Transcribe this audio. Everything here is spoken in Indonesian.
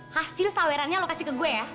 hasil sawerannya lo kasih ke gue ya